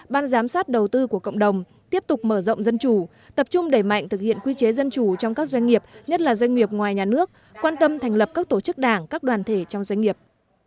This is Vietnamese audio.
ban giám sát đầu tư của cộng đồng tiếp tục mở rộng dân chủ tập trung đẩy mạnh thực hiện quy chế dân chủ trong các doanh nghiệp nhất là doanh nghiệp ngoài nhà nước quan tâm thành lập các tổ chức đảng các đoàn thể trong doanh nghiệp